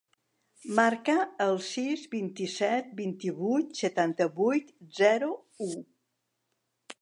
Marca el sis, vint-i-set, vint-i-vuit, setanta-vuit, zero, u.